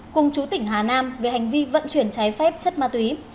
cùng chú tỉnh hà nam về hành vi vận chuyển trái phép chất ma túy